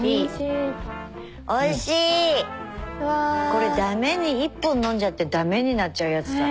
これだめに１本飲んじゃってだめになっちゃうやつだ。